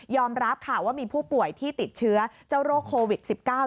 รับค่ะว่ามีผู้ป่วยที่ติดเชื้อเจ้าโรคโควิด๑๙